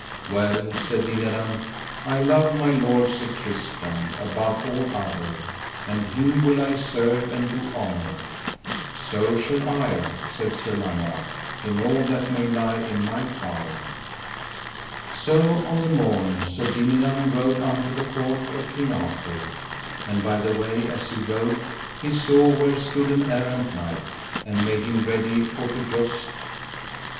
Well, said Dinadan, I love my lord Sir Tristram, above all other, and him will I serve and do honour. So shall I, said Sir Lamorak, in all that may lie in my power. So on the morn Sir Dinadan rode unto the court of King Arthur; and by the way as he rode he saw where stood an errant knight, and made him ready for to joust.